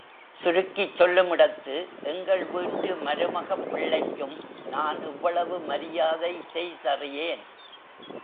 சுருக்கிச் சொல்லுமிடத்து, எங்கள் வீட்டு மருமகப்பிள்ளைக்கும் நான் இவ்வளவு மரியாதை செய்தறியேன்.